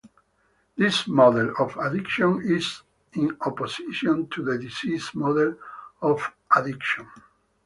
This model of addiction is in opposition to the disease model of addiction.